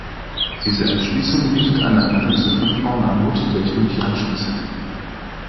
Diese Entschließung bietet eine Analyse von Frauenarmut, der ich mich anschließe.